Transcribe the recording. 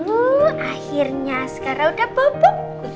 oh akhirnya sekarang udah pupuk